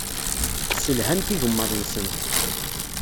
Sselhant igmaḍ-nsent.